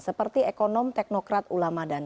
seperti ekonom teknokrat ulama dan